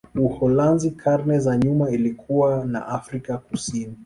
Uholanzi karne za nyuma ilikuwa na Afrika Kusini.